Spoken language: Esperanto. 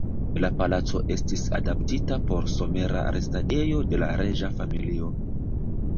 La palaco estis adaptita por somera restadejo de la reĝa familio.